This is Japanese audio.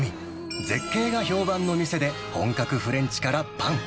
絶景が評判の店で、本格フレンチからパン。